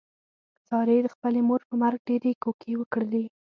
سارې د خپلې مور په مرګ ډېرې کوکې وکړلې.